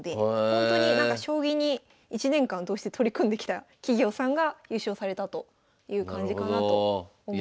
ほんとに将棋に１年間通して取り組んできた企業さんが優勝されたという感じかなと思います。